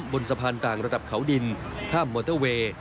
บนสะพานต่างระดับเขาดินข้ามมอเตอร์เวย์